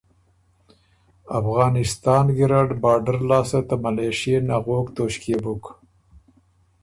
افغانستان ګیرډ بارډر لاسته ته ملېشئے نغوک توݭکيې بُک۔